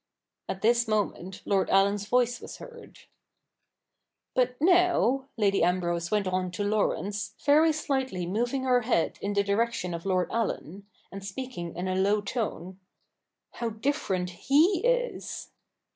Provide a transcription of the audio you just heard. At this moment Lord Allen's voice was heard. ' But now/ Lady Ambrose went on to Laurence, very shghtly moving her head in the direction of Lord Allen, and speaking in a low tone, ' how different he is